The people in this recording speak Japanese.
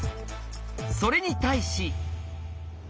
それに対し。